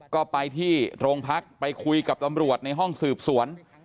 ก็ไปที่โรงพักไปคุยกับตำรวจในห้องสืบสวน